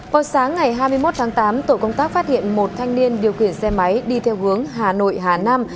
vào sáng ngày hai mươi một tháng tám tổ công tác phát hiện một thanh niên điều khiển xe máy đi theo hướng hà nội hà nam